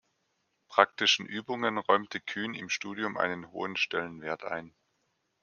Praktischen Übungen räumte Kühn im Studium einen hohen Stellenwert ein.